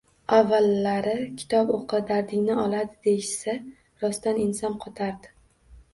Avvalari kitob o‘qi, dardingni oladi deyishsa, rostan, ensam qotardi